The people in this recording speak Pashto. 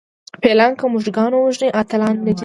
فیلان که موږکان ووژني اتلان نه دي.